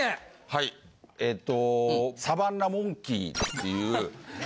はいえっとサバンナモンキーっていう。